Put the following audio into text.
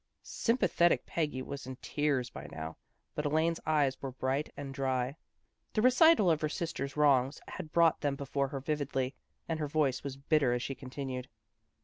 Sympathetic Peggy was in tears by now, but Elaine's eyes were bright and dry. The recital of her sister's wrongs had brought them before her vividly, and her voice was bitter as she continued.